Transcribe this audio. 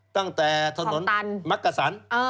ตั้งแต่ถนนมักกะสัน